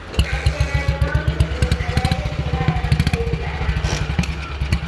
از کنایههای او علیه پدرم خیلی بدم آمد.